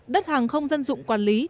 đất hàng không dân dụng quản lý